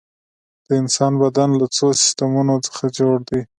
د انسان بدن له څو سیستمونو څخه جوړ دی